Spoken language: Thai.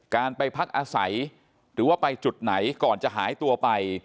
การไปพักอาศัยหรือว่าไปจุดไหนก่อนจะหายตัวไป